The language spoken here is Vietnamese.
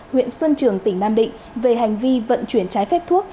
huyện xuân trường tỉnh nam định về hành vi vận chuyển trái phép thuốc